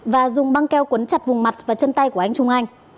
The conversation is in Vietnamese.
và dùng băng keo quấn chặt vùng mặt và chân tay của anh trung anh